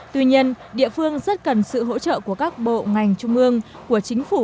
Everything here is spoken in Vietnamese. tuy nhiên địa phương rất cần sự hỗ trợ của các bộ ngành trung ương của chính phủ